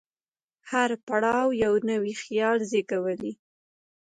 هر پړاو یو نوی خیال زېږولی.